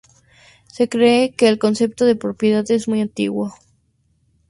Se cree que el concepto de propiedad es muy antiguo.